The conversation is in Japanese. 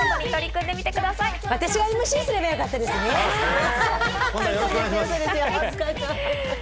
私がＭＣすればよかったですね！